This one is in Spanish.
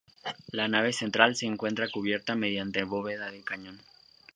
La nave central se encuentra cubierta mediante bóveda de cañón.